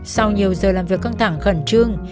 sau nhiều giờ làm việc căng thẳng khẩn trương